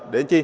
để làm chi